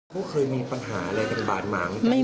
คุณมีปัญหาอะไร